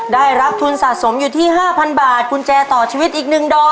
ได้รับทุนสะสมอยู่ที่๕๐๐บาทกุญแจต่อชีวิตอีก๑ดอก